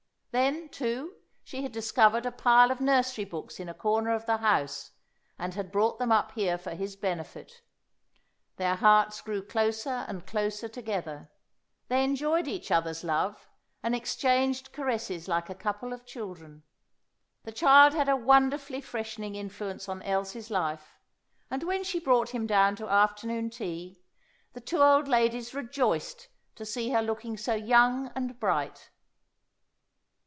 Then, too, she had discovered a pile of nursery books in a corner of the house, and had brought them up here for his benefit. Their hearts grew closer and closer together; they enjoyed each other's love, and exchanged caresses like a couple of children. The child had a wonderfully freshening influence on Elsie's life, and when she brought him down to afternoon tea, the two old ladies rejoiced to see her looking so young and bright.